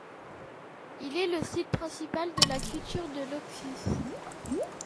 Il est le site principal de la culture de l'Oxus.